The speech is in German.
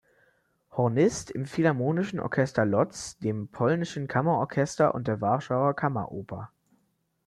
Hornist im Philharmonischen Orchester Lodz, dem Polnischen Kammerorchester und der Warschauer Kammeroper.